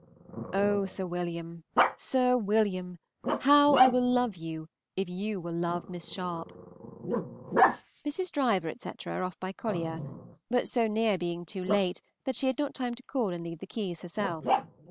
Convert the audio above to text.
Oh, Sir Wm.! Sir Wm.! how I will love you if you will love Miss Sharpe! Mrs. Driver, etc., are off by Collier, but so near being too late that she had not time to call and leave the keys herself.